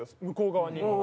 向こう側に。